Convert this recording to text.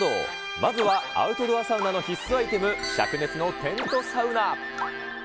まずはアウトドアサウナの必須アイテム、しゃく熱のテントサウナ。